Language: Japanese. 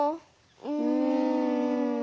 うん。